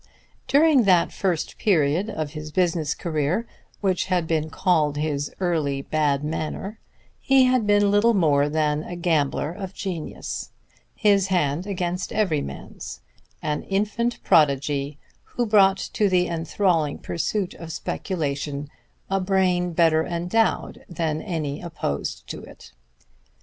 During that first period of his business career which had been called his early bad manner he had been little more than a gambler of genius, his hand against every man's, an infant prodigy who brought to the enthralling pursuit of speculation a brain better endowed than any opposed to it.